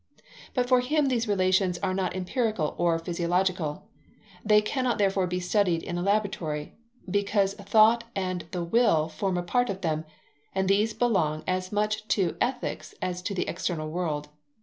But for him these relations are not empirical or physiological. They cannot therefore be studied in a laboratory, because thought and the will form part of them, and these belong as much to Ethics as to the external world.